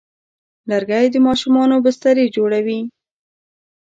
لرګی د ماشومانو بسترې جوړوي.